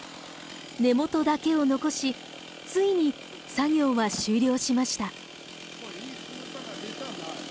根元だけを残しついに作業は終了しました。